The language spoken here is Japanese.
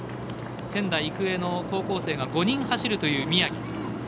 仙台育英の高校生が５人走るという宮城。